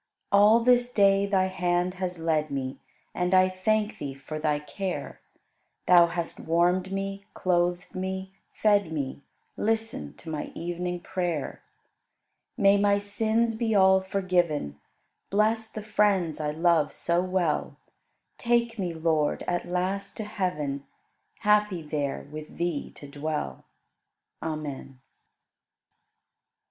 All this day Thy hand has led me, And I thank Thee for Thy care; Thou hast warmed me, clothed me, fed me; Listen to my evening prayer. May my sins be all forgiven; Bless the friends I love so well; Take me, Lord, at last to heaven. Happy there with Thee to dwell. Amen.